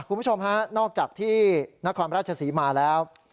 คุณผู้ชมฮะนอกจากที่นครราชศรีมาแล้ว